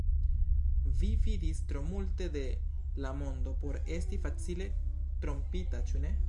Vi vidis tro multe de la mondo por esti facile trompita; ĉu ne?